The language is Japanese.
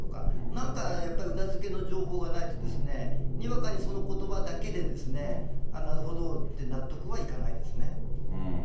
なんかやっぱり、裏付けの情報がないと、にわかにそのことばだけで、なるほどって納得はいかないですね。